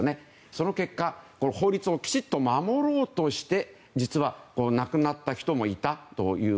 その結果、法律をきちんと守ろうとして実は亡くなった人もいたという。